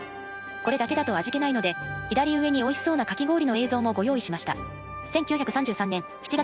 これだけだと味気ないので左上においしそうなかき氷の映像もご用意しました。